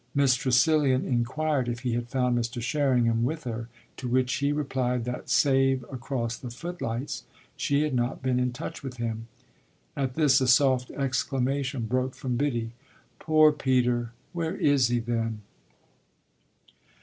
Miss Tressilian inquired if he had found Mr. Sherringham with her; to which he replied that, save across the footlights, she had not been in touch with him. At this a soft exclamation broke from Biddy. "Poor Peter! Where is he, then?"